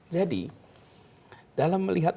jadi dalam melihat